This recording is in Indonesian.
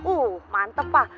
uh mantep pak